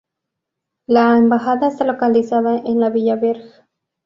La embajada está localizada en la "Villa Berg".